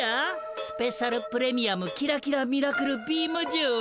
スペシャル・プレミアムキラキラ・ミラクル・ビームじゅうは。